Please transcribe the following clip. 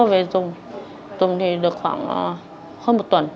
em về dùng dùng thì được khoảng hơn một tuần